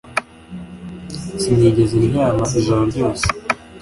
Sinigeze ryama ijoro ryose